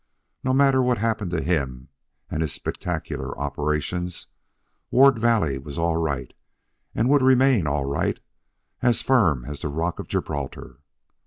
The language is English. No matter what happened to him and his spectacular operations, Ward Valley was all right, and would remain all right, as firm as the Rock of Gibraltar.